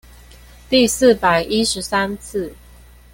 第四百一十三次